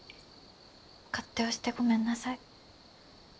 勝手をしてごめんなさい。